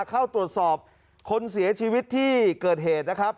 เข้าตรวจสอบคนเสียชีวิตที่เกิดเหตุนะครับ